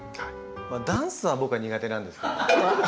ダンスは僕は苦手なんですけど。